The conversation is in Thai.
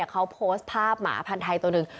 เขาโพสต์ภาพหมาพันธ์ไทยตัวหนึ่ง